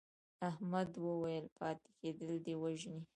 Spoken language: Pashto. احمد وویل پاتې کېدل دې وژني.